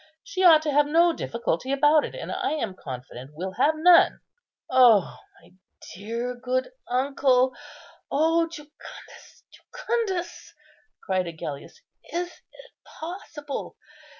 She ought to have no difficulty about it, and I am confident will have none." "O my good, dear uncle! O Jucundus, Jucundus!" cried Agellius, "is it possible?